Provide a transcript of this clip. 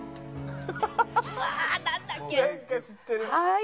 はい。